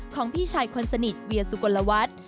ของพี่ชายคนสนิทเวียสุโกนละวัด